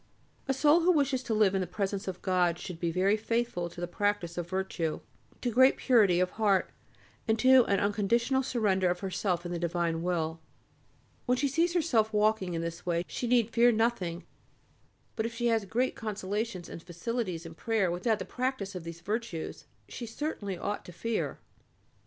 A soul who wishes to live in the presence of God should be very faithful to the practice of virtue, to great purity of heart, and to an unconditional surrender of herself to the divine will. When she sees herself walking in this way she need fear nothing, but if she has great consolations and facilities in prayer without the practice of these virtues, she certainly ought to fear.